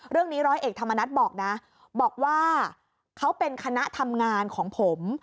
ร้อยเอกธรรมนัฐบอกนะบอกว่าเขาเป็นคณะทำงานของผม